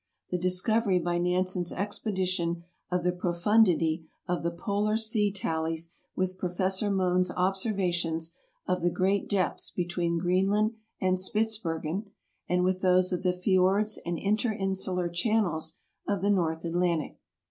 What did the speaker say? The discovery by Nansen's expedition of the profundity of the polar sea tallies with Prof. Mohn's observations of the great depths between Greenland and Spitzbergen and with those of the fiords and interinsular channels of the North Atlantic.